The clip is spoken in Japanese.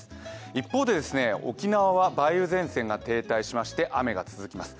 一方で沖縄は梅雨前線が停滞しまして雨が続きます。